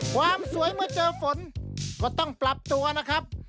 ความสวยเมื่อเจอฝนก็ต้องปรับตัวนะครับ